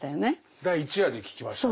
第１夜で聞きましたね。